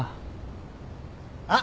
・あっ！